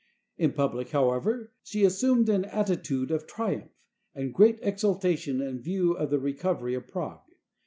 In public, however, she assumed an attitude of triumph and great exultation in view of the recovery of Prague.